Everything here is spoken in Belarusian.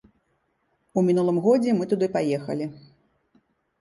У мінулым годзе мы туды паехалі.